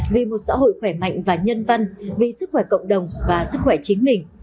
vì một xã hội khỏe mạnh và nhân văn vì sức khỏe cộng đồng và sức khỏe chính mình